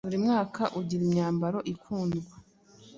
Buri mwaka ugira imyambaro ikundwa